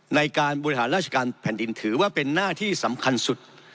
ในการบริหารราชการแผ่นดินถือว่าเป็นหน้าที่สำคัญสุด